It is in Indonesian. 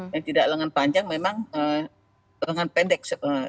yang tidak lengan panjang memang lengan pendek